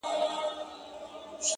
جنته ستا د مخ د لمر رڼا ته درېږم’